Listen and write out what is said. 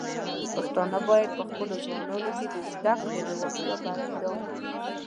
پښتانه بايد په خپلو ځوانانو کې د زده کړې لیوالتیا پيدا کړي.